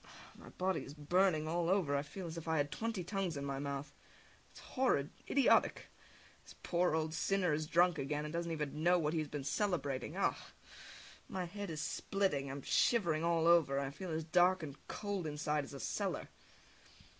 My body is burning all over, and I feel as if I had twenty tongues in my mouth. It is horrid! Idiotic! This poor old sinner is drunk again, and doesn't even know what he has been celebrating! Ugh! My head is splitting, I am shivering all over, and I feel as dark and cold inside as a cellar!